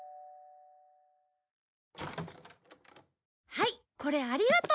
はいこれありがとう。